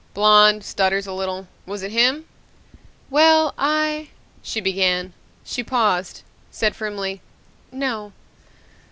Blond, stutters a little. Was it him?" "Well, I " she began. She paused, said firmly, "No."